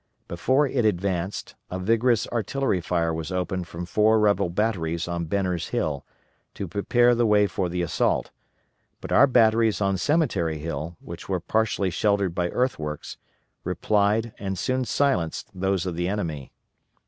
Before it advanced, a vigorous artillery fire was opened from four rebel batteries on Benner's Hill, to prepare the way for the assault, but our batteries on Cemetery Hill, which were partially sheltered by earthworks, replied and soon silenced those of the enemy.